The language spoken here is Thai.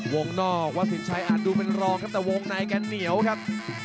วงนอกวัดสินชัยอาจดูเป็นรองครับแต่วงในแกเหนียวครับ